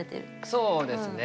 そうですね。